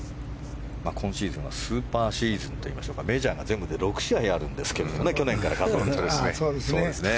今シーズンスーパーシーズンといいましょうかメジャーが全部で６試合あるんですけど去年から繰り越して。